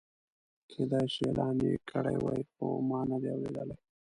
کېدای شي اعلان یې کړی وي خو ما نه دی اورېدلی.